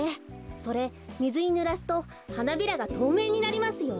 それみずにぬらすとはなびらがとうめいになりますよ。